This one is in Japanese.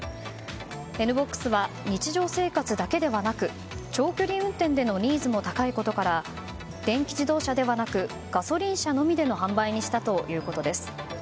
Ｎ‐ＢＯＸは日常生活だけでなく長距離運転でのニーズも高いことから電気自動車ではなくガソリン車のみでの販売としたということです。